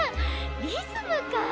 リズムか。